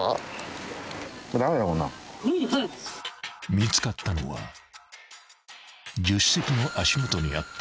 ［見つかったのは助手席の足元にあった］